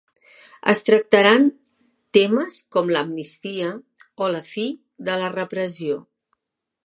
Es tractaran temes com l'amnistia o la fi de la repressió.